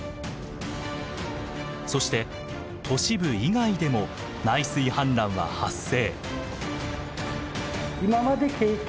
そして都市部以外でも内水氾濫は発生。